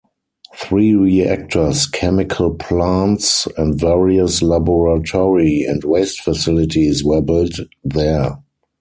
Three reactors, chemical plants and various laboratory and waste facilities were built there.